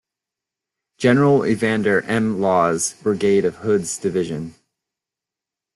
General Evander M. Law's brigade of Hood's division.